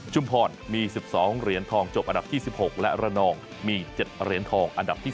พรมี๑๒เหรียญทองจบอันดับที่๑๖และระนองมี๗เหรียญทองอันดับที่๓